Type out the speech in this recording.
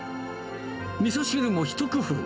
みそ汁も一工夫。